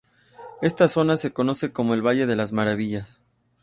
Esta zona se conoce como el "Valle de las Maravillas".